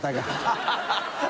ハハハ